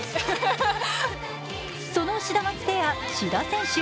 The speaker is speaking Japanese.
そのシダマツペア・志田選手